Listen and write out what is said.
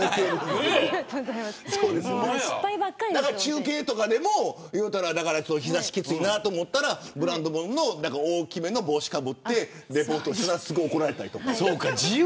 中継とかでも日差しがきついと思ったらブランド物の大きめの帽子をかぶってリポートしたらすごく怒られた。